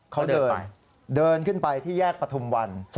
เขาเดินเดินขึ้นไปที่แยกปฐุมวัน